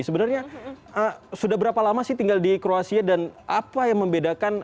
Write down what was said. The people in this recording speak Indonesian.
sebenarnya sudah berapa lama sih tinggal di kroasia dan apa yang membedakan